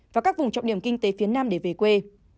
và các vùng trọng điểm kinh tế phía nam để về quê